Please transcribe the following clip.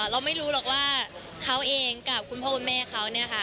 เราไม่รู้หรอกว่าเขาเองกับคุณพ่อคุณแม่เขาเนี่ยค่ะ